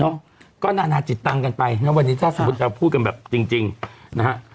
เนาะก็นานาจิตตังกันไปนะวันนี้ว่าจะพูดกันแบบจริงจริงนะฮะ